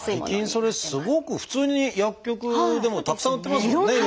最近それすごく普通に薬局でもたくさん売ってますもんね。